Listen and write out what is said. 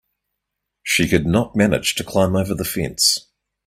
She could not manage to climb over the fence.